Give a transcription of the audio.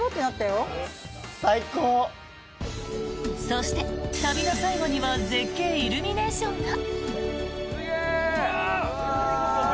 そして、旅の最後には絶景イルミネーションが。